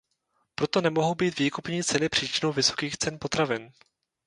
Proto nemohou být výkupní ceny příčinou vysokých cen potravin!